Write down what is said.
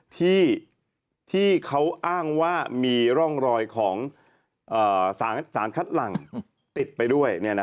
ที่เขาอ้างว่ามีร่องรอยของสารคัดหลังติดไปด้วย